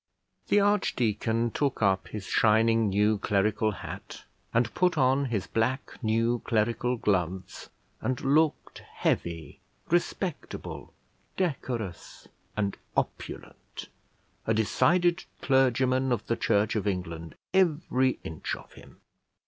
The archdeacon took up his shining new clerical hat, and put on his black new clerical gloves, and looked heavy, respectable, decorous, and opulent, a decided clergyman of the Church of England, every inch of him.